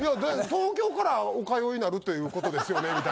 「東京からお通いになるという事ですよね？」